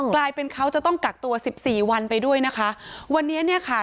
กลายเป็นเขาจะต้องกักตัว๑๔วันไปด้วยนะคะ